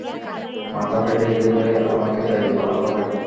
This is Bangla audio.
মাথা ফেটে গেলে, আমাকেই দায়ী করা হবে।